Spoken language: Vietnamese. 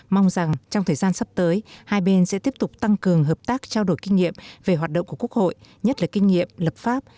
mong rằng trong thời gian sắp tới hai bên sẽ tiếp tục tăng cường hợp tác trao đổi kinh nghiệm về hoạt động của quốc hội nhất là kinh nghiệm lập pháp